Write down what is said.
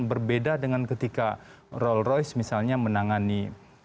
berbeda dengan ketika roll royce misalnya menangani